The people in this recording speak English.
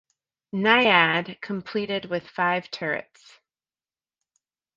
"Naiad" completed with five turrets.